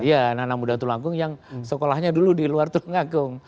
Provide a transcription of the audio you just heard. iya anak anak muda tulangkung yang sekolahnya dulu di luar tulungagung